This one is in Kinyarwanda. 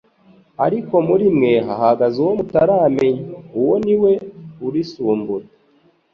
ariko muri mwe hahagaze uwo mutaramenya. Uwo niwe urusimbura.